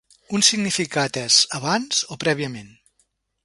Un significat és "abans" o "prèviament".